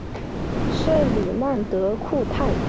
圣吕曼德库泰。